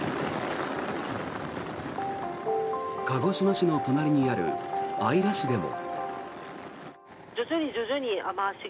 鹿児島市の隣にある姶良市でも。